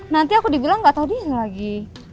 nanti aku dibilang gak tau dia lagi